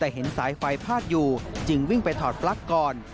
แต่เห็นสายไฟพาดอยู่จึงวิ่งไปถอดปลั๊กก่อน